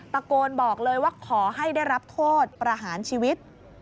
ตะโกนบอกเลยว่าขอให้ได้รับโทษประหารชีวิต